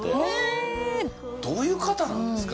どういう方なんですか？